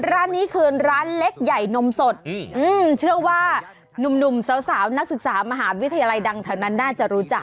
ร้านนี้คือร้านเล็กใหญ่นมสดเชื่อว่านุ่มสาวนักศึกษามหาวิทยาลัยดังแถวนั้นน่าจะรู้จัก